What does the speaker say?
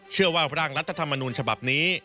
เชื่อว่าพระรางรัฐธรรมนูญฉบับนี้